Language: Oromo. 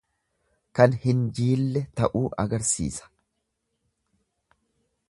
Kan hin jiille ta'uu agarsiisa.